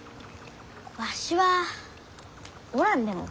わしはおらんでも。